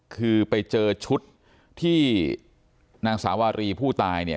คือไปเจอชุดที่นางสาวารีผู้ตายเนี่ย